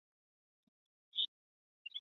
从此不再孤单